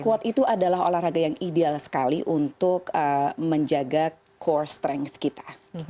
quote itu adalah olahraga yang ideal sekali untuk menjaga core strength kita